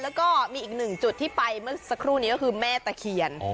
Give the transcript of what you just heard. แล้วก็มีอีกหนึ่งจุดที่ไปเมื่อสักครู่นี้ก็คือแม่ตะเคียน